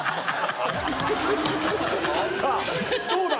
さあどうだ？